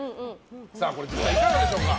実際いかがでしょうか？